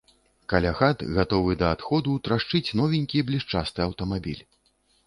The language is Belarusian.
Каля хат, гатовы да адходу, трашчыць новенькі, блішчасты аўтамабіль.